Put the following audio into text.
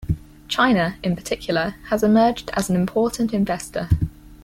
China, in particular, has emerged as an important investor.